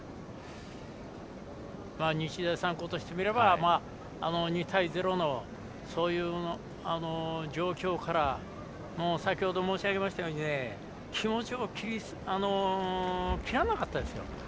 日大三高としてみれば２対０の状況から先ほど申し上げましたように気持ちを切らなかったですよ。